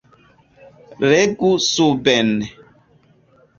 Legu suben.